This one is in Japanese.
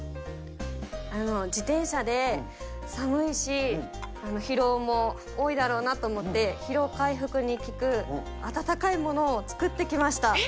自転車で寒いし、疲労も多いだろうなと思って、疲労回復に効く温かいものを作ってきました。